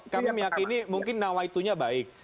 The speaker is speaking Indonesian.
kami meyakini mungkin nawaitunya baik